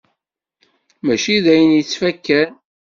Mačči d ayen i yettfakkan